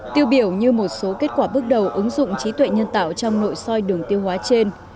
tiêu biểu như một số kết quả bước đầu ứng dụng trí tuệ nhân tạo trong nội soi đường tiêu hóa trên